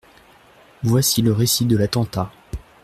Voici le récit de l’attentat.